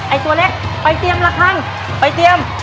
ตัวเล็กไปเตรียมละครั้งไปเตรียม